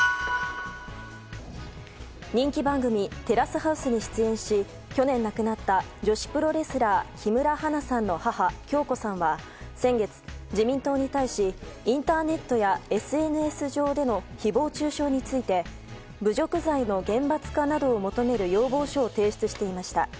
人気番組「テラスハウス」に出演し去年亡くなった女子プロレスラー木村花さんの母・響子さんは先月、自民党に対しインターネットやＳＮＳ上での誹謗中傷について侮辱罪の厳罰化などを求める要望書を提出していました。